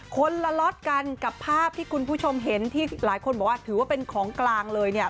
คนละล็อตกันกับภาพที่คุณผู้ชมเห็นที่หลายคนบอกว่าถือว่าเป็นของกลางเลยเนี่ย